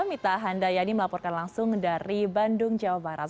mita handayani melaporkan langsung dari bandung jawa barat